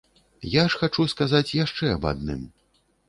Я ж хачу сказаць яшчэ аб адным.